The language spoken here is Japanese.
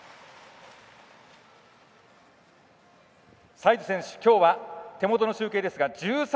サイズ選手、きょうは手元の集計ですが１３